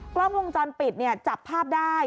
กล้องวงจรปิดจับภาพได้